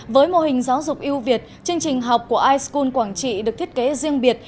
với mô hình giáo dục yêu việt chương trình học của iscon quảng trị được thiết kế riêng biệt